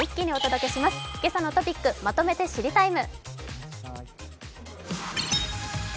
「けさのトピックまとめて知りＴＩＭＥ，」。